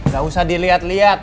gak usah dilihat lihat